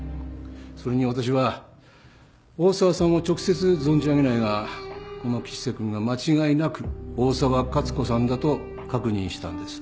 それに私は大沢さんを直接存じ上げないがこの吉瀬くんが間違いなく大沢勝子さんだと確認したんです。